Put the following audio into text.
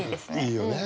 いいよね。